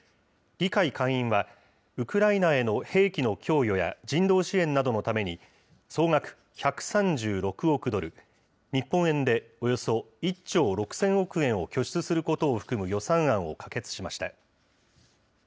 議会下院は、ウクライナへの兵器の供与や人道支援などのために、総額１３６億ドル、日本円でおよそ１兆６０００億円を拠出することを含む予算案を可決しました。